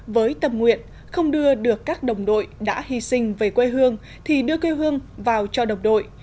với tâm nguyện không đưa được các đồng đội đã hy sinh về quê hương thì đưa quê hương vào cho đồng đội